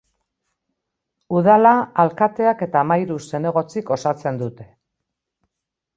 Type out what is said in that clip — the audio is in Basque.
Udala alkateak eta hamahiru zinegotzik osatzen dute.